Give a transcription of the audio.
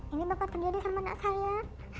ini bakal terjadi sama anak saya